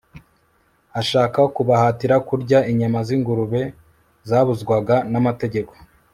ashaka kubahatira kurya inyama z'ingurube zabuzwaga n'amategeko